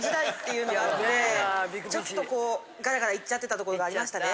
ちょっとガラガラいっちゃってたところがありましたね。